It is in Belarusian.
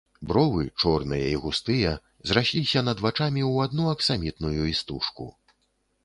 Бровы, чорныя і густыя, зрасліся над вачамі ў адну аксамітную істужку.